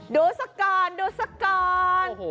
ดูสักก่อนดูสักก่อน